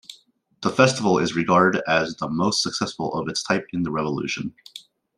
The festival is regarded as the most successful of its type in the Revolution.